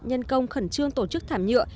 nhân công khẩn trương tổ chức thảm nhựa